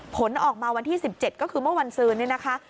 ผลออกมาวันที่๑๗ก็คือเมื่อวันซืนนี่นะคะ